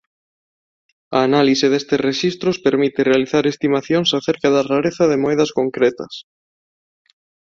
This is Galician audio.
A análise destes rexistros permite realizar estimacións acerca da rareza de moedas concretas.